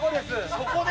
そこで？